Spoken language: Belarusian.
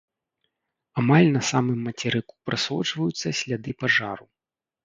Амаль на самым мацерыку прасочваюцца сляды пажару.